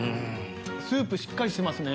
スープしっかりしてますね。